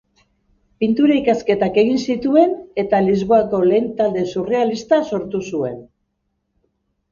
Pintura-ikasketak egin zituen, eta Lisboako lehen talde surrealista sortu zuen.